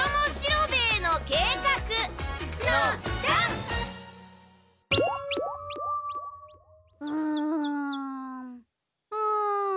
うんうん。